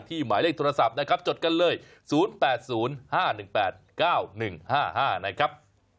หมายเลขโทรศัพท์นะครับจดกันเลย๐๘๐๕๑๘๙๑๕๕นะครับ